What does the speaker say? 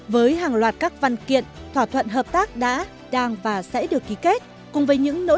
với hàng loạt các văn kiện thỏa thuận hợp tác đã đang và sẽ được ký kết cùng với những nỗ